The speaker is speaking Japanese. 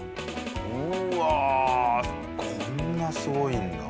うわこんなすごいんだ。